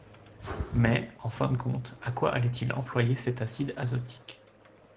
Mais, en fin de compte, à quoi allait-il employer cet acide azotique?